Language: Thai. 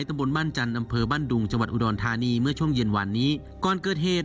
ตำบลบ้านจันทร์อำเภอบ้านดุงจังหวัดอุดรธานีเมื่อช่วงเย็นวันนี้ก่อนเกิดเหตุ